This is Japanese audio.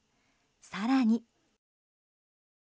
更に。